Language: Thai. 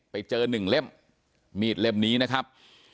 ไปเจอหนึ่งเล่มมีดเล่มนี้นะครับ